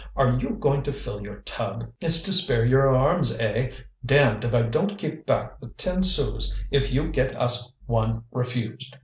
Are you going to fill your tub? It's to spare your arms, eh? Damned if I don't keep back the ten sous if you get us one refused!"